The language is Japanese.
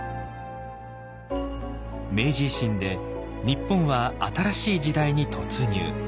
明治維新で日本は新しい時代に突入。